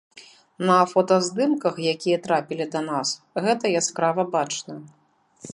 На фотаздымках, якія трапілі да нас, гэта яскрава бачна.